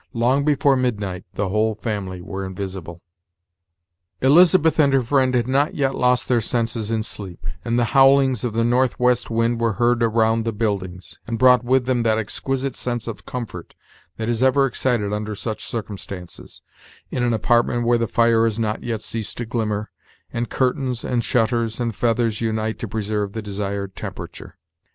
Long before midnight, the whole family were invisible. Elizabeth and her friend had not yet lost their senses in sleep, and the howlings of the northwest wind were heard around the buildings, and brought with them that exquisite sense of comfort that is ever excited under such circumstances, in an apartment where the fire has not yet ceased to glimmer, and curtains, and shutters, and feathers unite to preserve the desired temperature.